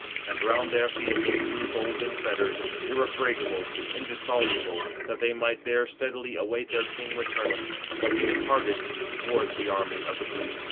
And round their feet he threw golden fetters, irrefragable, indissoluble, that they might there steadily await their king returning, but he departed towards the army of the Greeks.